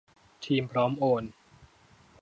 ทีมพร้อมโอน